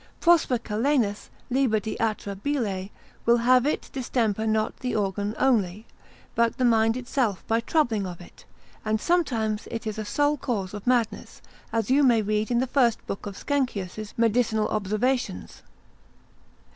Prosper Calenus, lib. de atra bile, will have it distemper not the organ only, but the mind itself by troubling of it: and sometimes it is a sole cause of madness, as you may read in the first book of Skenkius's Medicinal Observations.